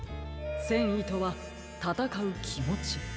「せんい」とはたたかうきもち。